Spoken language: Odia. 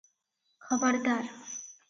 ଖବରଦାର ।